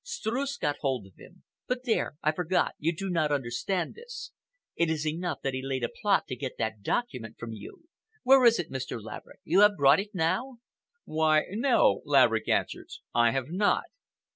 Streuss got hold of him. But there, I forgot—you do not understand this. It is enough that he laid a plot to get that document from you. Where is it, Mr. Laverick? You have brought it now?" "Why, no," Laverick answered, "I have not."